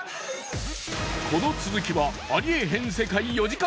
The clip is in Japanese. この続きは『ありえへん世界』４時間